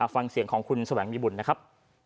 ฟังเสียงของคุณแสวงมีบุญนะครับ